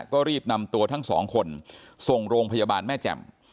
ก็รีบนำตัวทั้งสองคนส่งโรงพยาบาลแม่แจ่ม